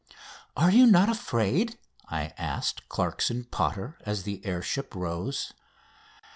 "Are you not afraid?" I asked Clarkson Potter as the air ship rose.